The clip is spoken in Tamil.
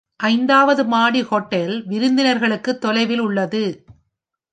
ஐந்தாவது மாடி ஹோட்டல் விருந்தினர்களுக்கு தொலைவில் உள்ளது.